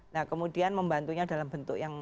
nah kemudian membantunya dalam bentuk yang